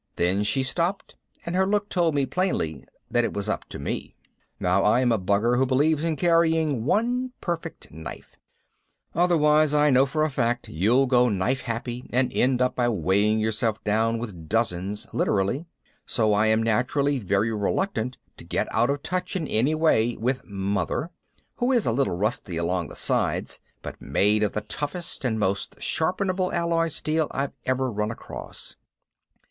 Then she stopped and her look told me plainly that it was up to me. Now I am a bugger who believes in carrying one perfect knife otherwise, I know for a fact, you'll go knife happy and end up by weighing yourself down with dozens, literally. So I am naturally very reluctant to get out of touch in any way with Mother, who is a little rusty along the sides but made of the toughest and most sharpenable alloy steel I've ever run across.